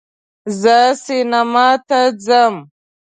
زه سینما ته ځم